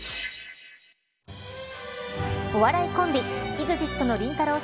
お笑いコンビＥＸＩＴのりんたろー。